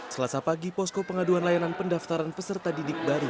selasa pagi posko pengaduan layanan pendaftaran peserta didik baru